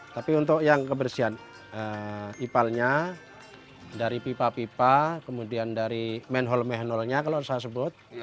tapi untuk yang kebersihan ipalnya dari pipa pipa kemudian dari manhole mahenholnya kalau saya sebut